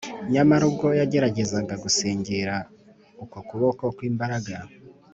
nyamara ubwo yageragezaga gusingira uko kuboko kw’imbaraga